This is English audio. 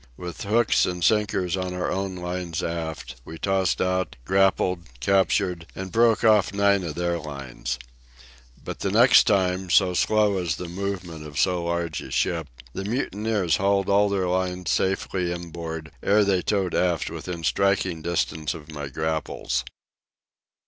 With hooks and sinkers on our own lines aft, we tossed out, grappled, captured, and broke off nine of their lines. But the next time, so slow is the movement of so large a ship, the mutineers hauled all their lines safely inboard ere they towed aft within striking distance of my grapnels.